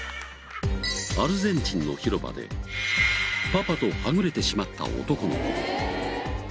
アルゼンチンの広場でパパとはぐれてしまった男の子。